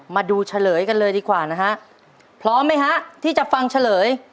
เฉลยกันเลยดีกว่านะฮะพร้อมไหมฮะที่จะฟังเฉลย